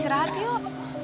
sita aku mau pergi